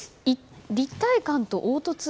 立体感と凹凸？